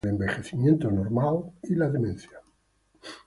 Está considerado como el límite entre el envejecimiento normal y la demencia.